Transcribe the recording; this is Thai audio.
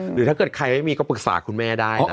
หรือถ้าเกิดใครไม่มีก็ปรึกษาคุณแม่ได้นะ